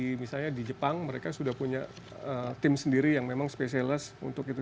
di misalnya di jepang mereka sudah punya tim sendiri yang memang spesialis untuk itu